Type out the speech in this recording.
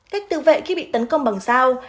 cách tự vệ khi bị tấn công bằng sao